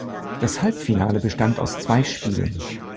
Das Halbfinale bestand aus zwei Spielen.